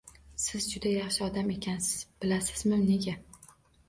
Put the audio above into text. Siz juda yaxshi odam ekansiz, bilasizmi nega